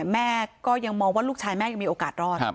แม่ก็ยังมองว่าลูกชายแม่ยังมีโอกาสรอด